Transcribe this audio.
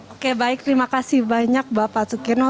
oke baik terima kasih banyak bapak tukeno